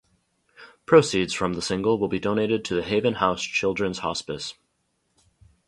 Proceeds from the single will be donated to the Haven House Children's Hospice.